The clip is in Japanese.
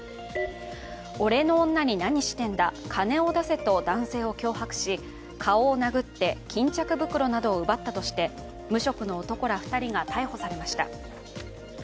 俺の女に何してんだ、金を出せと男性を脅迫し、顔を殴って巾着袋などを奪ったとして無職の男２人が逮捕されました。